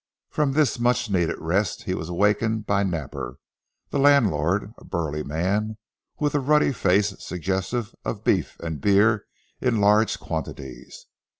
From this much needed rest, he was awakened by Napper, the landlord, a burly man, with a ruddy face suggestive of beef and beer in large quantities.